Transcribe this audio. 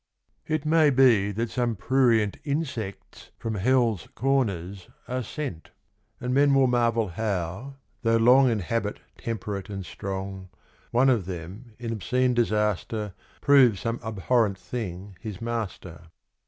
71 Experience. It may be that some prurient Insects from hell's corners are sent And men will marvel how, though long In habit temperate and strong One of them in obscene disaster Proves some abhorrent thing his master.